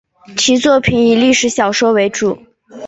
其作品以历史小说为主。